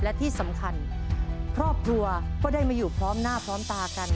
และที่สำคัญครอบครัวก็ได้มาอยู่พร้อมหน้าพร้อมตากัน